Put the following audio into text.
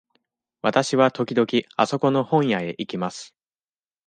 わたしは時々あそこの本屋へ行きます。